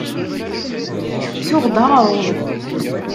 Tuɣ-d aɣṛum.